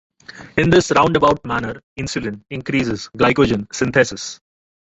In this roundabout manner, insulin increases glycogen synthesis.